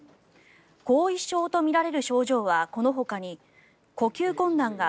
後遺症とみられる症状はこのほかに呼吸困難が９％